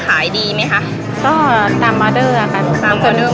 พี่ดาขายดอกบัวมาตั้งแต่อายุ๑๐กว่าขวบ